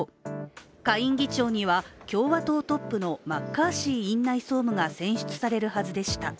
下院議長には共和党トップのマッカーシー院内総務が選出されるはずでした